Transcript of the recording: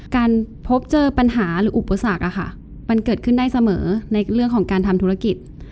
การพบเจอปัญหาหรืออุปสรรคมันเกิดขึ้นได้เสมอในเรื่องของการทำธุรกิจ